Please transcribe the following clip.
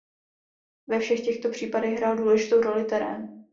Ve všech těchto případech hrál důležitou roli terén.